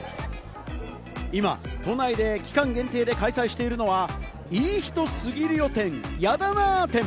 今、都内で期間限定で開催しているのは、「いい人すぎるよ展＋やだなー展」。